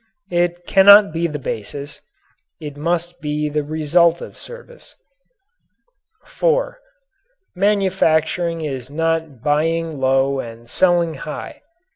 It cannot be the basis it must be the result of service. 4. Manufacturing is not buying low and selling high.